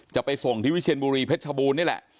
จะไปส่งที่วิเชนบรีพร็ดิ์ชบูรณ์นี่แหละ